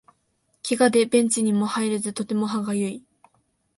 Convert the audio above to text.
ケガでベンチにも入れずとても歯がゆい